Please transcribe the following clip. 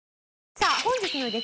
さあ本日の激